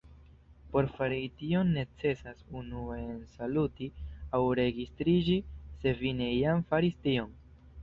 Por fari tion necesas unue ensaluti aŭ registriĝi, se vi ne jam faris tion.